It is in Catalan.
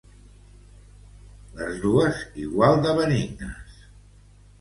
Les dos igual de benignes.